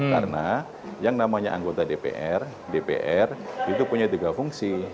karena yang namanya anggota dpr dpr itu punya tiga fungsi